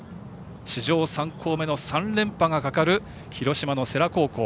史上３校目の３連覇がかかる広島の世羅高校。